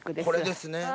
これですね。